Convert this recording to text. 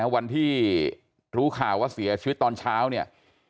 วันที่รู้ข่าวว่าเสียชีวิตตอนเช้าเนี่ย